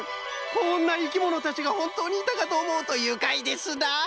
こんないきものたちがほんとうにいたかとおもうとゆかいですな。